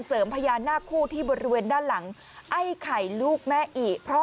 พญานาคคู่ที่บริเวณด้านหลังไอ้ไข่ลูกแม่อิเพราะ